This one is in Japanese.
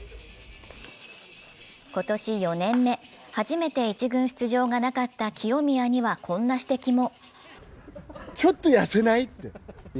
今年４年目、初めて１軍出場がなかった清宮には、こんな指摘も。